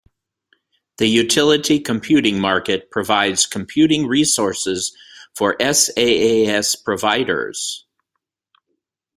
The utility computing market provides computing resources for SaaS providers.